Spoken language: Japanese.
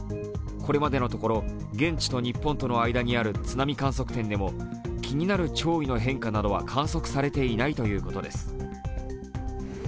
これまでのところ現地と日本との間にある津波観測点でも気になる潮位の変化などは観測されていないということです。